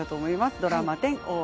ドラマ１０「大奥」